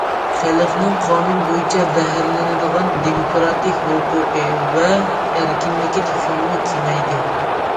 خەلقنىڭ قانۇن بويىچە بەھرىلىنىدىغان دېموكراتىك ھوقۇقى ۋە ئەركىنلىكى تېخىمۇ كېڭەيدى.